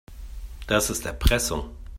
Das ist Erpressung.